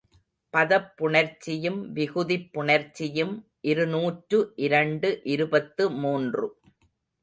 பதப் புணர்ச்சியும் விகுதிப் புணர்ச்சியும் இருநூற்று இரண்டு இருபத்து மூன்று.